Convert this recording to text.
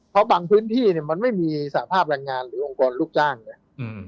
เพราะบางพื้นที่มันไม่มีสาภาพรางงานหรือองค์กรลูกจ้างเลย